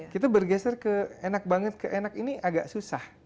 kita bergeser ke enak banget ke enak ini agak susah